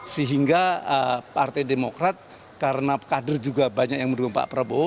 sehingga partai demokrat karena kader juga banyak yang mendukung pak prabowo